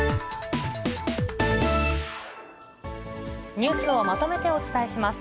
ニュースをまとめてお伝えします。